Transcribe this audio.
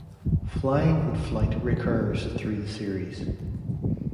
Flying and flight recurs through the series.